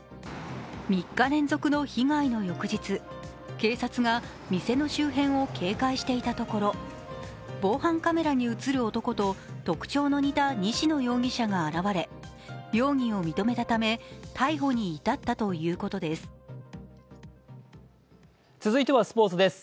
３日連続の被害の翌日、警察が店の周辺を警戒していたところ防犯カメラに映る男と特徴の似た西野容疑者が現れ容疑を認めたため、逮捕に至ったということです。